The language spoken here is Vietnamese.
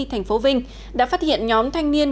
thành phố vinh đã phát hiện nhóm thanh niên